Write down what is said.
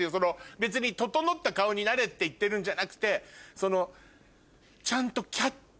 別に整った顔になれって言ってるんじゃなくてちゃんと。